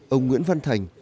ông nguyễn văn thành